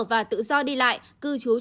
và tự do đi lại cư trú trong nước